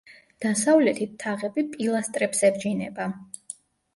დასავლეთით თაღები პილასტრებს ებჯინება.